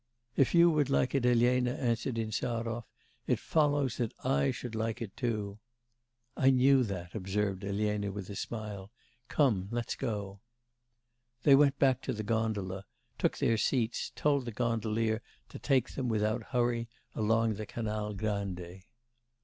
'If you would like it, Elena,' answered Insarov, 'it follows that I should like it too.' 'I knew that,' observed Elena with a smile, 'come, let us go.' They went back to the gondola, took their seats, told the gondolier to take them without hurry along the Canal Grande.